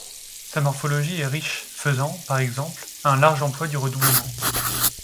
Sa morphologie est riche, faisant, par exemple, un large emploi du redoublement.